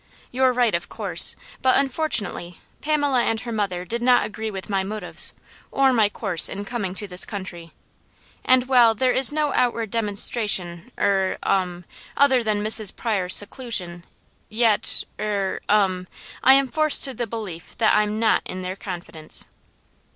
"You're right, of course, but unfortunately, Pamela and her mother did not agree with my motives, or my course in coming to this country; and while there is no outward demonstration er um other than Mrs. Pryor's seclusion; yet, er um! I am forced to the belief that I'm NOT in their confidence."